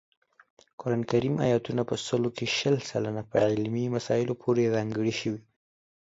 قران کریم آیاتونه په سلو کې شل سلنه په علمي مسایلو پورې ځانګړي شوي